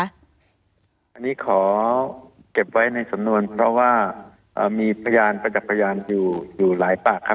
อันนี้ขอเก็บไว้ในสำนวนเพราะว่ามีพยานประจักษ์พยานอยู่อยู่หลายปากครับ